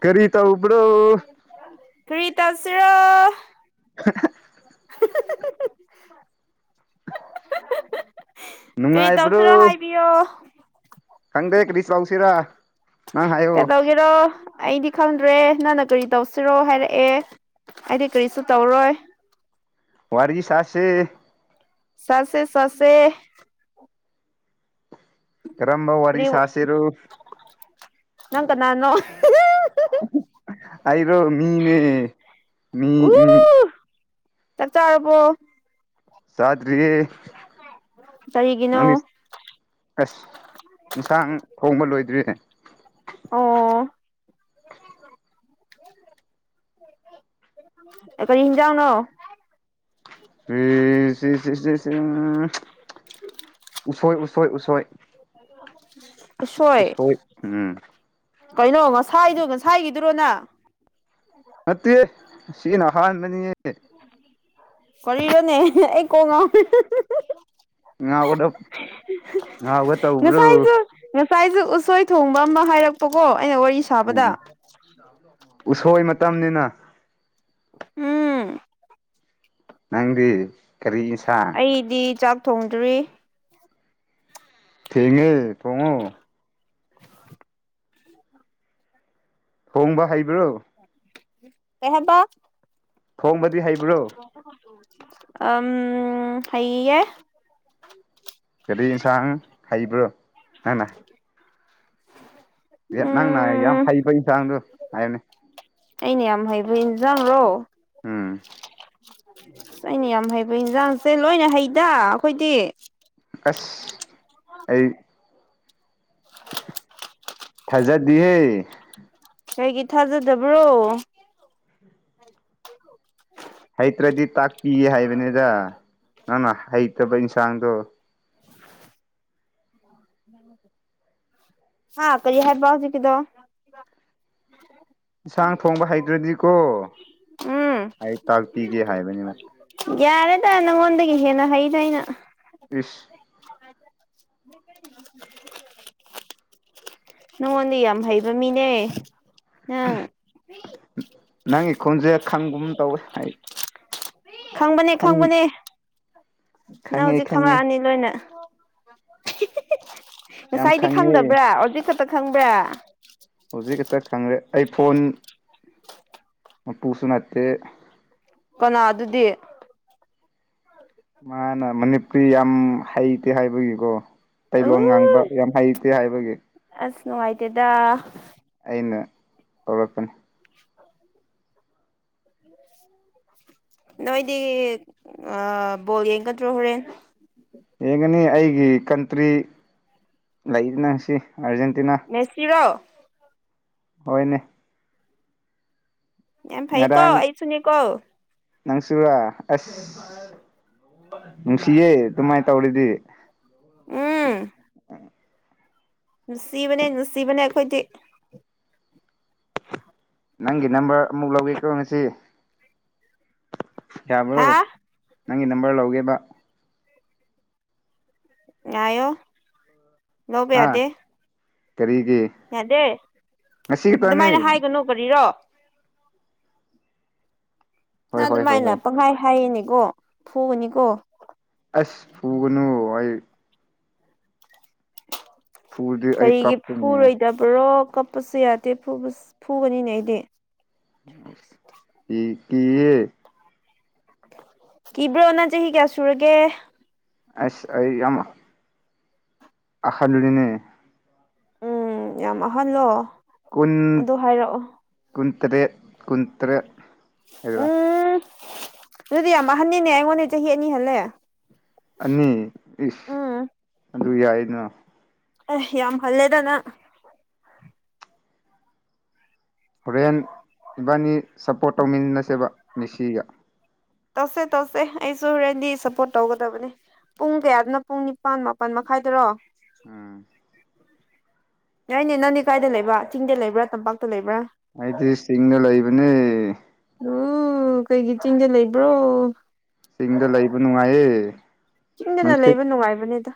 ꯀꯔꯤ ꯇꯧꯕꯔꯣ ꯀ꯭ꯔꯤ ꯇꯧꯁꯤꯔꯣ ꯍꯤ ꯍꯤ ꯀꯥꯔꯤ ꯇꯧꯁꯤꯔꯥ ꯅꯨꯡꯉꯥꯏꯕ꯭ꯔꯣ ꯍꯥꯏꯕꯤꯌꯣ ꯈꯪꯗꯦ ꯀꯔꯤ ꯇꯧꯁꯤꯔꯥ ꯅꯪ ꯍꯥꯏꯌꯣ ꯔꯣ ꯑꯩꯗꯤ ꯈꯪꯗ꯭ꯔꯦ ꯅꯪꯅ ꯀꯔꯤ ꯇꯧꯁꯤꯔꯣ ꯍꯥꯏꯔꯛꯑꯦ ꯑꯩꯗꯤ ꯀꯔꯤꯁꯨ ꯇꯧꯔꯣꯏ ꯋꯥꯔꯤꯔꯒꯤꯁꯁꯦ ꯁꯥꯁꯦ- ꯁꯥꯁꯦ ꯀꯔꯝꯕ ꯋꯥꯔꯤ ꯀꯔꯤ ꯁꯥꯁꯤꯔ ꯅꯪ ꯀꯅꯥꯅꯣ ꯑꯩꯔꯣ ꯎ ꯃꯤꯅꯦ-ꯃꯤ-ꯃꯤ ꯆꯥꯛ ꯆꯥꯔꯥꯕꯣ ꯁꯥꯗꯔꯤ ꯀꯔꯤꯒꯤꯅꯣ ꯑꯁ ꯏꯟꯁꯥꯡ ꯊꯣꯡꯕ ꯂꯣꯏꯗ꯭ꯔꯤꯌꯦ ꯑꯣ ꯀꯔꯤ ꯍꯤꯟꯖꯥꯡꯅꯣ ꯐ ꯁꯤ ꯁꯤꯁꯤ ꯎꯁꯣꯏ ꯎꯁꯣꯏ ꯎꯁꯣꯏ ꯎꯁꯣꯏ ꯀꯩꯅꯣ ꯉꯁꯥꯏꯗꯨ ꯉꯁꯥꯏꯒꯤꯗꯨꯔꯣꯅ ꯅꯠꯇꯦ ꯁꯤ ꯅꯑꯍꯥꯟꯕꯅꯤ ꯀꯔꯤꯔꯣꯅꯦ ꯑꯩ ꯀꯣꯛ ꯉꯥꯎꯋꯦ ꯉꯥꯎꯕꯗꯣ ꯉꯥꯎꯕ ꯇꯧꯕ꯭ꯔꯣ ꯉꯁꯥꯏꯁꯨ ꯉꯁꯥꯏꯁꯨ ꯎꯁꯣꯏ ꯊꯣꯡꯕ ꯑꯃ ꯍꯥꯏꯔꯛꯄꯀꯣ ꯑꯩꯅ ꯋꯥꯔꯤ ꯎꯝ ꯁꯥꯕꯗ ꯎꯁꯣꯏ ꯃꯇꯝꯅꯤꯅ ꯎꯝ ꯅꯪꯗꯤ ꯀꯒꯥꯔꯤ ꯏ ꯁꯥꯥꯡ ꯑꯦꯗꯤ ꯆꯥꯛ ꯊꯣꯡꯗ꯭ꯔꯤ ꯊꯦꯡꯉꯦ ꯇꯣꯡꯉꯣ ꯍꯣꯡꯕ ꯍꯩꯕ꯭ꯔꯣ ꯀꯩꯪ ꯍꯥꯏꯕ ꯊꯣꯡꯕꯗꯤ ꯍꯩꯕ꯭ꯔꯣ ꯑꯝ ꯍꯩꯌꯦ ꯀꯥꯔꯤ ꯌꯦꯟꯁꯥꯡ ꯍꯩꯕ꯭ꯔꯣ ꯅꯪꯅꯥ [unintelligible] ꯌꯦꯠ ꯅꯪꯅ ꯌꯥꯝ ꯎꯝ ꯐꯩꯕꯩ ꯆꯥꯡꯗꯨ ꯍꯥꯏꯅꯦ ꯑꯩꯅ ꯌꯥꯝ ꯍꯩꯕ ꯏꯟꯖꯥꯡꯔꯣ ꯎꯝ ꯑꯩꯅ ꯌꯥꯝ ꯍꯩꯕ ꯏꯟꯖꯥꯡꯁꯦ ꯂꯣꯏꯅ ꯍꯩꯗ ꯑꯈꯣꯏꯗꯤ ꯑꯁ ꯑꯩ ꯊꯖꯥꯗꯤꯍꯦ ꯀꯩꯒꯤ ꯊꯥꯖꯗꯕ꯭ꯔꯣ ꯍꯩꯇ꯭ꯔꯗꯤ ꯇꯥꯛꯄꯤ ꯍꯥꯏꯕꯅꯤꯗ ꯅꯪꯅ ꯍꯩꯇꯕ ꯏꯟꯁꯥꯡꯗꯣ ꯍꯥꯥ ꯀꯥꯔꯤ ꯍꯥꯏꯕ ꯍꯧꯖꯤꯛꯀꯤꯗꯣ ꯏꯟꯁꯥꯡ ꯊꯣꯡꯕ ꯍꯩꯇ꯭ꯔꯗꯤꯀꯣ ꯎꯝ ꯑꯩ ꯇꯥꯛꯄꯤꯒꯦ ꯍꯥꯏꯕꯅꯦꯕ ꯌꯥꯔꯦꯗ ꯅꯪꯉꯣꯟꯗꯒꯤ ꯍꯦꯟꯅ ꯍꯩꯩꯅ ꯑꯩꯅ ꯏꯁ ꯅꯉꯣꯟꯗꯤ ꯌꯥꯝ ꯍꯩꯕ ꯃꯤꯅꯦ ꯅꯪ ꯅꯪꯒꯤ ꯈꯣꯟꯖꯦꯟ ꯈꯪꯒꯨꯝ ꯇꯧꯋꯦ ꯑꯩ ꯈꯪꯕꯅꯦ ꯈꯪꯉꯤ ꯈꯪꯕꯅꯦ ꯅꯪ ꯈꯪꯉꯦ ꯍꯧꯖꯤꯛ ꯈꯪꯉꯦ ꯈꯪꯉꯛꯑꯅꯤ ꯂꯣꯏꯅ ꯌꯥꯝ ꯉꯁꯥꯏꯗꯤ ꯈꯪꯉꯦ ꯈꯪꯗꯕ꯭ꯔꯥ ꯑꯣꯔꯖꯤꯛ ꯈꯛꯇ ꯈꯪꯕ꯭ꯔꯥ ꯍꯧꯖꯤꯛ ꯍꯛꯇ ꯈꯪꯔꯦ ꯑꯩ ꯐꯣꯟ ꯇꯨꯁꯨꯟꯠꯇꯦ ꯀꯅꯥ ꯑꯗꯨꯗꯤ ꯃꯥꯅꯥ ꯃꯅꯤꯄꯨꯔꯤ ꯌꯥꯝ ꯍꯩꯇꯦ ꯍꯥꯏꯕꯒꯤꯀꯣ ꯎ ꯇꯩꯂꯣꯟ ꯉꯥꯡꯕ ꯌꯥꯝ ꯍꯩꯇꯦ ꯍꯥꯏꯕꯒꯤ ꯑꯁ ꯅꯨꯡꯉꯥꯏꯇꯦꯗ ꯑꯩꯅ ꯍꯧꯔꯛꯄꯅꯦ [unintelligible] ꯅꯣꯏꯗꯤ ꯕꯣꯜ ꯌꯦꯡꯒꯗ꯭ꯔꯣ ꯍꯣꯔꯦꯟ ꯌꯦꯡꯒꯅꯤ ꯑꯩꯒꯤ ꯀꯟꯇ꯭ꯔꯤ ꯂꯩ ꯅꯪꯁꯤ ꯑꯥꯔꯖꯦꯟꯇꯤꯅꯥ ꯃꯦꯁꯤꯔꯣ ꯍꯣꯏꯅꯦ ꯌꯥꯝ ꯐꯩ ꯀꯣ ꯑꯩꯁꯨꯅꯤ ꯀꯣ ꯅꯪꯁꯤꯔ ꯑꯦꯁ ꯅꯨꯡꯁꯤꯌꯦꯦ ꯑꯗꯨꯃꯥꯏꯅ ꯇꯧꯔꯤꯗꯤ ꯎꯝ ꯅꯨꯡꯁꯤꯕꯅꯦ ꯅꯨꯡꯁꯤꯕꯅꯦ ꯑꯩꯈꯣꯏꯗꯤ ꯅꯪꯒꯤ ꯅꯝꯕꯔ ꯑꯃꯨꯛ ꯂꯧꯒꯦ ꯀꯣ ꯉꯁꯤ ꯌꯥꯕ꯭ꯔꯣ ꯍꯥ ꯅꯪꯒꯤ ꯅꯝꯕꯔ ꯂꯧꯒꯦꯕ ꯉꯌꯣ ꯂꯧꯕꯧꯕꯦ ꯍꯥ ꯑꯗꯦ ꯀꯔꯤꯒꯤ ꯌꯥꯗꯦ ꯉꯁꯤ ꯈꯛꯇꯅꯤ ꯑꯗꯨꯃꯥꯏꯅ ꯍꯥꯏꯒꯅꯨ ꯀꯔꯤꯔꯣ ꯍꯣꯏ ꯅꯪ ꯍꯣꯏ ꯍꯣꯏ ꯑꯗꯨꯃꯥꯏꯅ ꯍꯣꯏ ꯄꯪꯍꯥꯏ ꯍꯥꯏꯌꯦꯅꯦꯀꯣ ꯐꯨꯕꯅꯤꯀꯣ ꯑꯁ ꯐꯨꯒꯅꯨꯋꯣ ꯑꯩ ꯐꯨꯔꯗꯤ ꯑꯩ ꯀꯥꯔꯤꯒꯤ ꯀꯞꯀꯅꯤ ꯐꯨꯔꯣꯏꯗꯥꯕ꯭ꯔꯣ ꯀꯞꯄꯁꯨ ꯌꯥꯗꯦ ꯐꯨꯕꯁꯨ ꯐꯨꯒꯅꯤꯅꯦ ꯑꯩꯗꯤ ꯀ ꯀꯤꯕ꯭ꯔꯣꯅ ꯆꯍꯤ ꯀꯌꯥ ꯁꯨꯔꯒꯦ ꯑꯁ ꯑꯩ ꯌꯥꯝ ꯑꯍꯟꯂꯤꯅꯦ ꯎꯝ ꯌꯥꯝ ꯑꯥꯍꯜꯂꯣ ꯀꯨꯟ ꯀꯨꯟꯇꯔꯦꯠ ꯀꯨꯟꯇꯔꯦꯠ ꯍꯥꯏ꯭ꯔꯥ ꯎꯝ ꯑꯗꯨꯗꯤ ꯌꯥꯝ ꯑꯍꯟꯅꯤꯅꯦ ꯑꯩꯉꯣꯟꯗꯒꯤ ꯆꯍꯤ ꯑꯅꯤ ꯍꯜꯂꯦ ꯑꯅꯤ ꯏꯁ ꯎꯝ ꯑꯗꯨ ꯌꯥꯏꯅꯣ ꯑꯦ ꯌꯥꯝ ꯍꯜꯂꯦꯗ ꯅꯪ ꯍꯣꯔꯦꯟ ꯏꯕꯥꯅꯤ ꯁꯞꯄꯣꯔꯠ ꯇꯧꯃꯤꯟꯅꯁꯦꯕ ꯃꯤꯁꯤꯒ ꯇꯧꯁꯦ-ꯇꯧꯁꯦ ꯑꯩꯁꯨ ꯔꯦꯗꯤ ꯁꯞꯄꯣꯔꯠ ꯇꯧꯒꯗꯕꯅꯦ ꯄꯨꯡ ꯀꯌꯥꯗꯅꯣ ꯄꯨꯡ ꯅꯤꯄꯥꯜ ꯃꯥꯄꯜ ꯃꯈꯥꯏꯗꯥꯔꯣ ꯎꯝ ꯌꯥꯏꯅꯦ ꯅꯪꯗꯤ ꯀꯥꯏꯗ ꯂꯩꯕ ꯆꯤꯡꯗ ꯂꯩꯕ꯭ꯔꯥ ꯇꯝꯄꯥꯛꯇ ꯂꯩꯕ꯭ꯔꯥ ꯑꯗꯤ ꯁꯤꯒꯅꯜ ꯑꯕꯅꯦ ꯎꯝ ꯀꯩꯒꯤ ꯆꯤꯡꯒ ꯂꯩꯕ꯭ꯔꯣ ꯆꯤꯡꯗ ꯂꯩꯕ ꯅꯨꯡꯉꯥꯏꯌꯦ ꯏꯪꯗꯅ ꯂꯩꯕ ꯅꯨꯡꯉꯥꯏꯕꯅꯦꯗ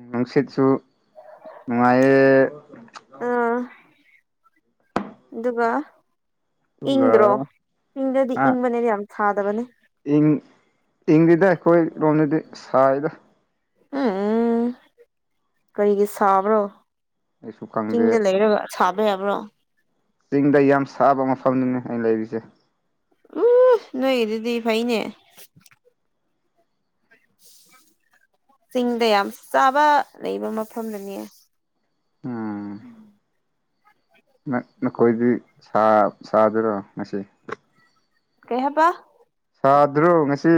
ꯎ ꯅꯨꯡꯁꯤꯠꯁꯨꯁꯨ ꯅꯨꯡꯉꯑꯌꯦ ꯑꯥ ꯑꯗꯨꯒ ꯑꯗꯨꯒ ꯏꯪꯗ꯭ꯔꯣ ꯏꯪꯗ꯭ꯔꯗꯤ ꯑ ꯏꯪꯕꯅꯦꯗꯤ ꯌꯥꯝ ꯊꯥꯗꯕꯅꯦ ꯏꯪ ꯏꯪꯂꯤꯗ ꯑꯩꯈꯣꯏ ꯂꯣꯝꯗꯗꯤ ꯁꯥꯏꯗ ꯎꯝ ꯀꯔꯤꯒꯤ ꯁꯥꯕ꯭ꯔꯣ ꯑꯩꯁꯨ ꯈꯪꯗꯦ ꯆꯤꯡꯗ ꯂꯩꯔ ꯁꯥꯕ ꯍꯥꯏꯕ꯭ꯔꯣ ꯆꯤꯡꯗ ꯌꯥꯝ ꯁꯥꯕ ꯃꯐꯝꯅꯤꯅꯦ ꯑꯩꯅ ꯂꯩꯔꯤꯁꯦ ꯎ ꯅꯣꯏꯒꯤꯗꯨꯗꯤ ꯐꯩꯅꯦ ꯆꯤꯡꯗ ꯌꯥꯝ ꯆꯥꯕ ꯂꯩꯕ ꯃꯐꯝꯗꯨꯅꯦ ꯎꯝ ꯅꯈꯣꯏꯗꯤ ꯁꯥꯗꯣꯏꯔꯣ ꯉꯁꯤ ꯀꯩ ꯍꯥꯏꯕ ꯁꯥꯗ꯭ꯔꯣ ꯉꯁꯤ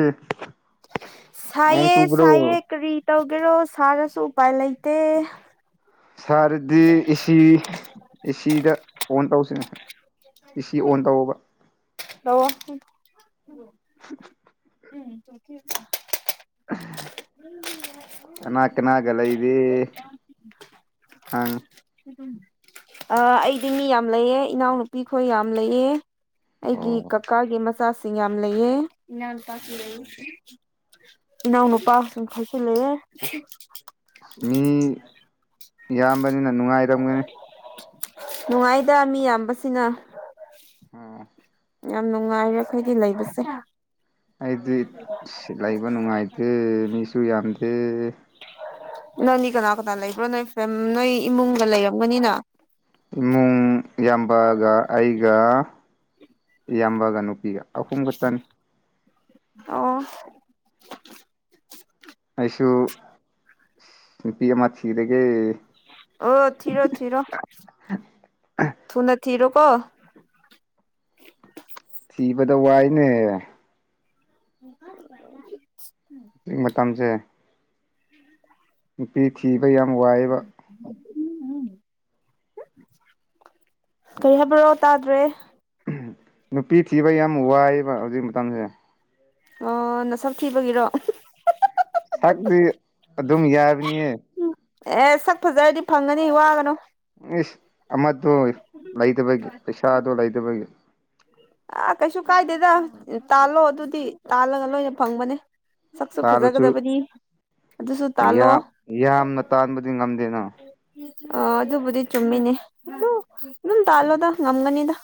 ꯅꯣꯡ ꯁꯥꯏꯌꯦ ꯁꯥꯏꯌꯦ ꯆꯨꯕ꯭ꯔꯣ ꯀꯔꯤ ꯇꯧꯒꯦꯔꯣ ꯁꯥꯔꯁꯨ ꯎꯄꯥꯏ ꯂꯩꯇꯦ ꯁꯥꯔꯗꯤ ꯑꯦꯁꯤ ꯑꯦꯁꯤꯗ ꯐꯣꯟ ꯇꯧꯁꯅꯦ ꯁꯤ ꯑꯣꯟ ꯇꯧꯕ ꯍꯜꯂꯝ ꯎ ꯀꯅꯥ ꯀꯅꯥꯒꯂ ꯏꯗꯤ ꯍꯪ ꯑꯩꯗꯤ ꯃꯤ ꯌꯥꯝ ꯂꯩꯑ ꯏꯅꯥꯎꯅꯨꯄꯤꯈꯣꯏ ꯌꯥꯝ ꯂꯩꯑ ꯑꯩꯒꯤ ꯑꯣ ꯀꯀꯥꯒꯤ ꯃꯆꯥꯁꯤꯡ ꯌꯥꯝ ꯂꯩꯑ ꯏꯅꯥꯎ ꯅꯨꯨꯄꯥ ꯁꯨꯝ ꯈꯠꯁꯨ ꯂꯩꯔꯦ ꯑꯁ ꯃꯤ ꯌꯥꯝꯕꯅꯤꯅ ꯅꯨꯡꯉꯥꯏꯔꯝꯒꯅꯤ ꯅꯨꯡꯉꯥꯏꯗ ꯃꯤ ꯌꯥꯝꯕꯁꯤꯅ ꯑꯣ ꯌꯥꯝ ꯅꯨꯡꯉꯥꯏꯔꯦ ꯑꯩꯈꯣꯏꯒꯤ ꯂꯩꯕꯁꯦ ꯑꯩꯗꯤ ꯂꯩꯕ ꯅꯨꯡꯉꯥꯏꯇꯦ ꯃꯤꯁꯨ ꯌꯥꯝꯗꯦ ꯏꯅꯪꯅꯤ ꯀꯅꯥ ꯀꯅꯥ ꯂꯩꯕ꯭ꯔꯣ ꯅꯣꯏ ꯅꯣꯏ ꯏꯃꯨꯡꯒ ꯂꯩꯔꯝꯒꯅꯤꯅ ꯏꯃꯨꯡ ꯏꯌꯥꯝꯕꯒ ꯑꯩꯒ ꯏꯌꯥꯝꯕꯒ ꯅꯨꯄꯤꯒ ꯑꯍꯨꯝꯒ ꯇꯟ ꯑꯣ ꯑꯩꯁꯨ ꯅꯨꯄꯤ ꯑꯃ ꯊꯤꯗꯒꯤꯦ ꯑꯣ ꯊꯤꯔꯣ ꯊꯔꯣ ꯊꯨꯅ ꯊꯤꯔꯣ ꯀꯣ ꯊꯤꯕꯗ ꯋꯥꯏꯅꯦ ꯎ ꯍꯧꯖꯤꯛ ꯃꯇꯝꯁꯦ ꯅꯨꯄꯤ ꯊꯤꯕ ꯌꯥꯝ ꯋꯥꯏꯑꯕ ꯎ ꯎ ꯀꯔꯤ ꯍꯥꯏꯕ꯭ꯔꯣ ꯇꯥꯗ꯭ꯔꯦ ꯅꯨꯄꯤ ꯊꯤꯕ ꯌꯥꯝ ꯋꯥꯏꯑꯕ ꯍꯧꯖꯤꯛ ꯃꯇꯝꯁꯦ ꯑꯣ ꯅ ꯁꯞ ꯊꯤꯕꯒꯤꯔꯣ ꯁꯥꯛꯗꯤ ꯑꯗꯨꯝ ꯌꯥꯕꯅꯤꯌꯦ ꯑꯦ ꯁꯛ ꯐꯖꯔꯗꯤ ꯐꯪꯒꯅꯤ ꯋꯥꯒꯅꯨ ꯏꯁ ꯑꯃꯗꯣ ꯂꯩꯗꯕꯒꯤ ꯄꯩꯁꯥꯗꯣ ꯂꯩꯗꯕꯒꯤ ꯑꯥ ꯀꯩꯁꯨ ꯀꯥꯏꯗꯦꯗ ꯇꯥꯜꯂꯣ ꯑꯗꯨꯗꯤ ꯇꯥꯜꯂꯒ ꯂꯣꯏꯅ ꯐꯪꯕꯅꯦ ꯁꯛꯁꯨ ꯇꯥꯜꯂꯁꯨ ꯐꯖꯒꯗꯕꯅꯤ ꯑꯗꯨꯁꯨ ꯇꯥꯜꯂꯣ ꯌꯥꯝ ꯌꯥꯝꯅ ꯇꯥꯟꯕꯗꯤ ꯉꯝꯗꯦꯅ ꯑ ꯑꯗꯨꯕꯨꯗꯤ ꯆꯨꯝꯃꯤꯅꯦ ꯑꯗꯨ ꯑꯗꯨꯝ ꯇꯥꯜꯂꯣꯗ ꯉꯝꯒꯅꯤꯗ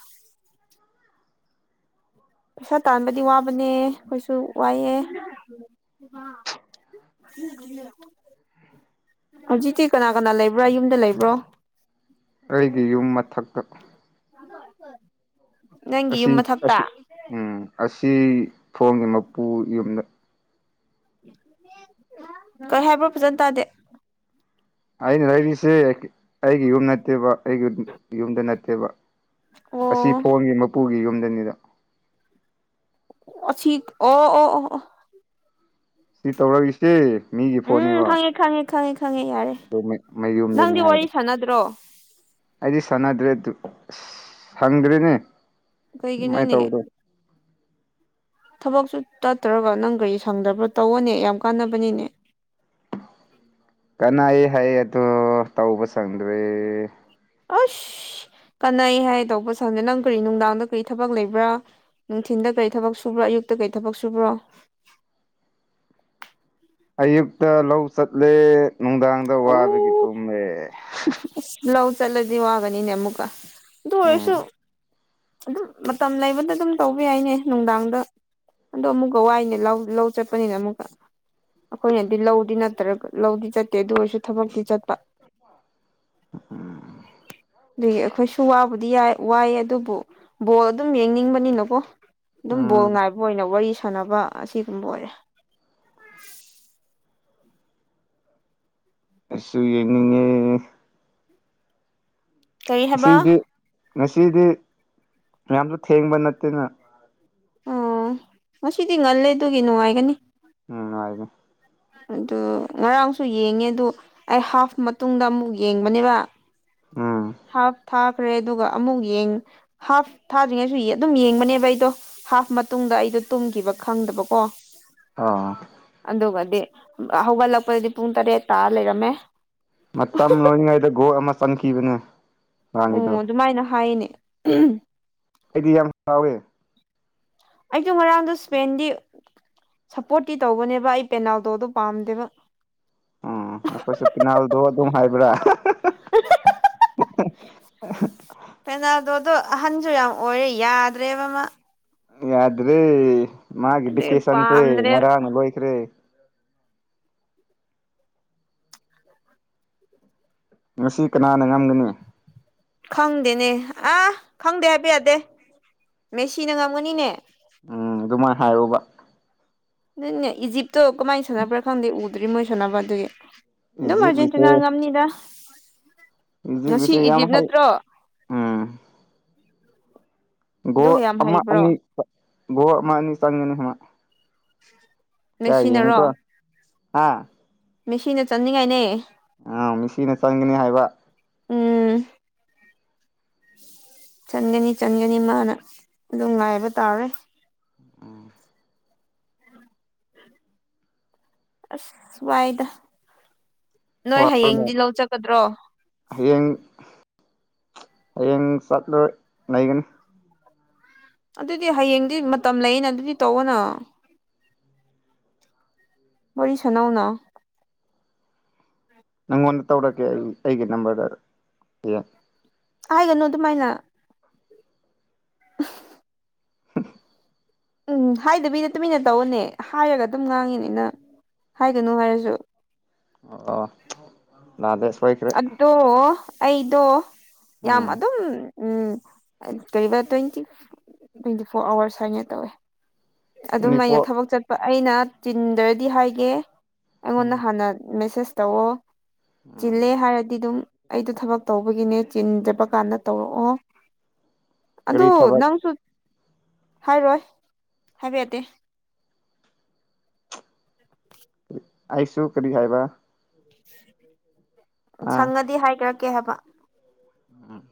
ꯄꯩꯁꯥ ꯇꯥꯟꯕꯗꯤ ꯋꯥꯕꯅꯦ ꯈꯣꯏꯁꯨ ꯋꯥꯏꯑꯦ [unintelligible] ꯍꯧꯖꯤꯛꯇꯤ ꯀꯅꯥ ꯀꯅꯥ ꯂꯩꯕ꯭ꯔꯥ ꯌꯨꯝꯗ ꯂꯩꯕ꯭ꯔꯣ ꯑꯩꯒꯤ ꯌꯨꯝ ꯃꯊꯛꯇ [unintelligible] ꯅꯪꯒꯤ ꯑꯁꯤ ꯌꯨꯝ ꯃꯊꯛꯇ ꯎꯝ ꯑꯁꯤ ꯊꯣꯡꯒꯤ ꯃꯄꯨ ꯌꯨꯝꯗ ꯀꯔꯤ ꯍꯥꯏꯕ꯭ꯔꯣ ꯐꯖꯅ ꯇꯥꯗꯦ ꯑꯩꯅ ꯂꯩꯔꯤꯁꯦ ꯑꯩꯒꯤ ꯌꯨꯝ ꯅꯠꯇꯦꯕ ꯑꯩꯒꯤ ꯌꯨꯝꯗ ꯅꯠꯇꯦꯕ ꯑꯣ ꯑꯁꯤ ꯐꯣꯟꯒꯤ ꯃꯄꯨꯒꯤ ꯌꯨꯝꯗꯅꯤꯗ ꯑꯣ ꯁꯤ ꯑꯣ ꯑꯣ ꯑꯣ ꯁꯤ ꯇꯧꯔꯛꯏꯁꯤ ꯃꯤꯒꯤ ꯎꯝ ꯐꯣꯟꯅꯦꯕ ꯈꯪꯉꯦ ꯈꯪꯉꯦ ꯈꯪꯉꯦ ꯈꯪꯉꯦ ꯌꯥꯔꯦ ꯑꯗꯨ ꯃꯌꯨꯝꯗꯅꯤ ꯅꯪꯗꯤ ꯍꯥꯏꯕ ꯋꯥꯔꯤ ꯁꯥꯟꯅꯗ꯭ꯔꯣ ꯑꯩꯗꯤ ꯁꯣꯟꯅꯗ꯭ꯔꯦꯗꯨ ꯁꯪꯗ꯭ꯔꯦꯅꯦ ꯑꯗꯨꯃꯥꯏꯅ ꯀꯩꯒꯤꯅꯣꯅꯦ ꯇꯧꯕꯗꯣ ꯊꯕꯛꯁꯨ ꯇꯠꯇ꯭ꯔꯒ ꯅꯪ ꯀꯔꯤ ꯁꯪꯗꯕ꯭ꯔꯥ ꯇꯧꯑꯣꯅꯦ ꯌꯥꯝ ꯀꯥꯟꯅꯕꯅꯤꯅꯦ ꯀꯅꯩꯌꯦ ꯍꯥꯏ ꯑꯗꯣ ꯇꯧꯕ ꯆꯪꯗ꯭ꯔꯦ ꯑꯁ ꯀꯥꯟꯅꯩ ꯍꯥꯏ ꯇꯧꯕ ꯁꯪꯗꯦ ꯅꯪ ꯀꯔꯤ ꯅꯨꯡꯗꯥꯡꯗ ꯀꯔꯤ ꯊꯕꯛ ꯂꯩꯕ꯭ꯔꯥ ꯅꯨꯡꯊꯤꯟꯗ ꯀꯔꯤ ꯊꯕꯛ ꯁꯨꯕ꯭ꯔꯣ ꯑꯌꯨꯛꯇ ꯀꯩ ꯊꯕꯛ ꯁꯨꯕ꯭ꯔꯣ ꯑꯌꯨꯛꯇ ꯂꯧ ꯆꯠꯂꯦ ꯅꯨꯡꯗꯥꯡꯗ ꯋꯥꯕꯒꯤ ꯑꯧ ꯇꯨꯝꯃꯦ ꯂꯧ ꯆꯠꯂꯗꯤ ꯋꯥꯒꯅꯤ ꯅꯃꯨꯀ ꯑꯗꯨ ꯎꯝ ꯑꯣꯏꯁꯨ ꯑꯗꯨꯝ ꯃꯇꯝ ꯂꯩꯕꯗ ꯑꯗꯨꯝ ꯇꯧꯕ ꯌꯥꯏꯅꯦ ꯅꯨꯡꯗꯥꯡꯗ ꯑꯗꯣ ꯑꯃꯨꯛꯀ ꯋꯥꯏꯅꯦ ꯂꯧ ꯆꯠꯄꯅꯤꯅ ꯑꯃꯨꯛꯀ ꯑꯩꯈꯣꯏꯅꯗꯤ ꯂꯧꯗꯤ ꯅꯠꯇ꯭ꯔꯒ ꯂꯧꯗꯤ ꯆꯠꯇꯦ ꯑꯗꯨ ꯑꯣꯏꯔꯁꯨ ꯊꯕꯛꯇꯤ ꯆꯠꯄ ꯎꯝ ꯑꯗꯨꯒꯤ ꯑꯩꯈꯣꯏꯁꯨ ꯋꯥꯕꯨꯗꯤ ꯌꯥꯏ ꯋꯥꯏꯑꯦ ꯑꯗꯨꯕꯨ ꯕꯣꯜ ꯑꯗꯨꯝ ꯌꯦꯡꯅꯤꯡꯕꯅꯤꯅꯀꯣ ꯑꯗꯨꯝ ꯕꯣꯜ ꯎꯝ ꯉꯥꯏꯕ ꯑꯣꯏꯅ ꯋꯥꯔꯤ ꯁꯥꯟꯅꯕ ꯑꯁꯤꯒꯨꯝꯕ ꯑꯣꯏꯔꯦ ꯑꯩꯁꯨ ꯌꯦꯡꯅꯤꯡꯉꯦ ꯀꯔꯤ ꯍꯥꯏꯕ ꯉꯁꯤꯗꯤ ꯉꯁꯤꯗꯤ ꯌꯥꯝꯖꯨ ꯊꯦꯡꯕ ꯅꯠꯇꯦꯅ ꯑꯣ ꯉꯗꯤ ꯉꯜꯂꯦ ꯑꯗꯨꯒꯤ ꯅꯨꯡꯉꯥꯏꯒꯅꯤ ꯎꯝ ꯉꯥꯏꯒꯦ ꯑꯗꯨ ꯉꯔꯥꯡꯁꯨ ꯌꯦꯡꯉꯦ ꯑꯗꯨ ꯑꯩ ꯍꯥꯐ ꯃꯇꯨꯡꯗ ꯑꯃꯨꯛ ꯌꯦꯡꯕꯅꯦꯕ ꯎꯝ ꯍꯥꯐ ꯊꯥꯈ꯭ꯔꯦ ꯑꯗꯨꯒ ꯑꯃꯨꯛ ꯌꯦꯡ ꯍꯥꯐ ꯊꯥꯗ꯭ꯔꯤꯉꯩꯁꯨ ꯑꯗꯨꯝ ꯌꯦꯡꯕꯅꯦꯕ ꯑꯩꯗꯣ ꯍꯥꯐ ꯃꯇꯨꯡꯗ ꯑꯩꯗꯣ ꯇꯨꯝꯈꯤꯕ ꯈꯪꯗꯕꯀꯣ ꯑ ꯑꯗꯨꯒꯗꯤ ꯍꯧꯒꯠꯂꯛꯄꯗꯗꯤ ꯄꯨꯡ ꯇꯔꯦꯠ ꯇꯥ ꯂꯩꯔꯝꯃꯦ ꯃꯇꯝ ꯂꯣꯏꯔꯤꯉꯩꯗ ꯒꯣꯜ ꯑꯃ ꯆꯟꯈꯤꯕꯅꯦ ꯉꯔꯥꯡꯒꯤꯗꯣ ꯑꯣ ꯑꯗꯨꯃꯥꯏꯅ ꯍꯥꯏꯅꯦ ꯑꯩꯗꯤ ꯌꯥꯝ ꯁꯥꯎꯋꯦ ꯑꯩꯗꯣ ꯉꯔꯥꯡꯗꯣ ꯏꯁꯄꯦꯟꯗꯤ ꯁꯞꯄꯣꯔꯠꯇꯤ ꯇꯧꯕꯅꯦꯕ ꯑꯩ ꯄꯦꯅꯥꯜꯗꯣ ꯗꯨ ꯄꯥꯝꯗꯦꯕ ꯎꯝ ꯅꯈꯣꯏꯁꯨ ꯄꯤꯅꯥꯜꯗꯣ ꯑꯗꯨꯝ ꯍꯥꯏꯕ꯭ꯔꯥ [unintelligible] ꯄꯦꯅꯥꯜꯗꯣꯗꯣ ꯑꯍꯟꯁꯨ ꯌꯥꯝ ꯑꯣꯏꯔꯦ ꯌꯥꯗ꯭ꯔꯦꯕ ꯃ ꯌꯥꯗ꯭ꯔꯔꯤ ꯃꯥꯒꯤ ꯑꯗꯨꯏ ꯕꯤꯛꯀꯦꯁꯟꯇꯦ ꯄꯥꯝꯗ꯭ꯔꯦ ꯉꯔꯥꯡꯅ ꯂꯣꯏꯈ꯭ꯔꯦ [unintelligible] [unintelligible] ꯉꯁꯤ ꯀꯅꯥꯅ ꯉꯝꯒꯅꯤ ꯈꯪꯗꯦꯅꯦ ꯑꯥ ꯈꯪꯗꯦ ꯍꯥꯏꯕ ꯌꯥꯗꯦ ꯃꯦꯁꯤꯅ ꯉꯝꯒꯅꯤꯅꯦ ꯎꯝ ꯑꯗꯨꯃꯥꯏꯅ ꯍꯥꯏꯔꯨꯕ ꯅꯅꯦ ꯏꯖꯤꯞꯇꯣ ꯀꯃꯥꯏꯅ ꯁꯥꯟꯅꯕ꯭ꯔꯥ ꯈꯪꯗꯦ ꯎꯗ꯭ꯔꯤ ꯃꯣꯏ ꯁꯥꯟꯅꯕ ꯑꯗꯨꯒꯤ ꯅ ꯃꯔꯖꯦꯟꯇꯤꯤꯟꯪ ꯏꯖꯤꯞꯀꯤꯁꯦ ꯉꯝꯅꯤꯗ ꯉꯁꯤ ꯏꯖꯤꯞꯀꯤꯁꯦ ꯌꯥꯝ ꯏꯖꯤꯞ ꯍꯩ ꯅꯠꯇ꯭ꯔꯣ ꯎꯝ ꯒꯣ ꯑꯗꯨ ꯌꯥꯝ ꯑꯃ ꯑꯅꯤ ꯍꯩꯕ꯭ꯔꯣ ꯒꯣ ꯑꯃ ꯑꯅꯤ ꯆꯪꯒꯅꯤ ꯍꯃ ꯑ ꯌꯦꯡꯀꯣ ꯃꯦꯁꯤꯅꯔꯣ ꯍꯥ ꯃꯤꯁꯤꯅ ꯆꯠꯅꯤꯡꯉꯥꯏꯅꯦ ꯑꯥ ꯃꯤꯁꯤꯅ ꯆꯪꯒꯅꯤ ꯍꯥꯏꯕ ꯎꯝ ꯆꯟꯒꯅꯤ ꯆꯟꯒꯅꯤ ꯃꯥꯅ ꯑꯗꯨꯝ ꯉꯥꯏꯕ ꯇꯥꯔꯦ ꯑꯣ ꯑꯁ ꯋꯥꯏꯗ ꯅꯣꯏ ꯍꯣꯏꯅꯦ ꯍꯌꯦꯡꯗꯤ ꯂꯧ ꯆꯠꯀꯥꯗ꯭ꯔꯣ ꯍꯌꯦꯡ ꯍꯌꯦꯡ ꯆꯠꯂꯣꯏ ꯂꯩꯒꯅꯤ ꯑꯗꯨꯗꯤ ꯍꯌꯦꯡꯗꯤ ꯃꯇꯝ ꯂꯩꯌꯦꯅ ꯑꯗꯨꯗꯤ ꯇꯧꯒꯅ ꯋꯥꯔꯤ ꯁꯥꯟꯅꯥꯧꯅ ꯅꯪꯉꯣꯟꯗ ꯇꯧꯔꯛꯀꯦ ꯑꯩ ꯑꯩꯒꯤ ꯅꯝꯕꯔꯗ ꯑꯦ ꯍꯥꯏꯒꯅꯨ ꯑꯗꯨꯃꯥꯏꯅ [unintelligible] [unintelligible] ꯎꯝ ꯍꯥꯏꯗ ꯃꯤꯅ ꯇꯨꯃꯤꯟꯅ ꯇꯧꯅꯦ ꯍꯥꯏꯔꯒ ꯑꯗꯨꯝ ꯉꯥꯡꯉꯤꯅꯤꯅ ꯍꯥꯏꯒꯅꯨ ꯍꯥꯏꯔꯁꯨ ꯑꯣ ꯑꯣ ꯌꯥꯗꯦ ꯁꯣꯏꯈꯔꯦ ꯑꯣ ꯑꯩꯗꯣ ꯌꯥꯝ ꯎꯝ ꯑꯗꯨꯝ ꯎꯝ ꯀꯩꯕ ꯇ꯭ꯋꯦꯟꯇꯤ ꯇ꯭ꯋꯦꯟꯇꯤ ꯐꯣꯔ ꯑꯋꯔꯁ ꯍꯥꯏꯅ ꯇꯧꯋꯦ ꯇ꯭ꯋꯦꯟꯇꯤ ꯑꯗꯨꯃꯥꯏꯅ ꯐꯣꯔ ꯊꯕꯛ ꯆꯠꯄ ꯑꯩꯅ ꯆꯤꯟꯗ꯭ꯔꯗꯤ ꯍꯥꯏꯒꯦ ꯎꯝ ꯑꯩꯉꯣꯟꯗ ꯍꯥꯟꯅ ꯃꯦꯁꯦꯁ ꯇꯧꯑꯣ ꯆꯤꯜꯂꯦ ꯎꯝ ꯍꯥꯏꯔꯗꯤ ꯗꯤ ꯑꯗꯨꯝ ꯑꯩꯗꯣ ꯊꯕꯛ ꯇꯧꯕꯒꯤꯅꯦ ꯆꯤꯟꯖꯕ ꯀꯥꯟꯗ ꯇꯧꯔꯛꯑꯣ ꯑꯗꯨ ꯀꯔꯤ ꯊꯕꯛ ꯅꯪꯁꯨ ꯍꯥꯏꯔꯣꯏ ꯍꯥꯏꯕꯥ ꯌꯥꯇꯦ ꯑꯩꯁꯨ ꯀꯔꯤ ꯍꯥꯏꯕꯔ꯭ [inaudible] ꯁꯪꯉꯗꯤ ꯍꯥꯏꯈꯔꯛꯀꯦ ꯍꯥꯏꯕ ꯎꯝ